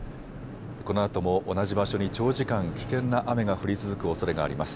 このあとも同じ場所に長時間、危険な雨が降り続くおそれがあります。